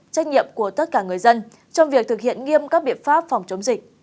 trách nhiệm của tất cả người dân trong việc thực hiện nghiêm các biện pháp phòng chống dịch